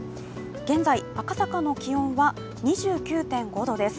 現在、赤坂の気温は２９．５度です。